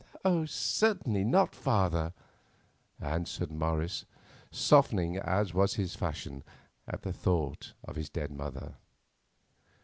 "Certainly not, father," answered Morris, softening, as was his fashion at the thought of his dead mother.